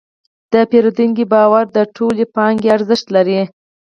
د پیرودونکي باور د ټولې پانګې ارزښت لري.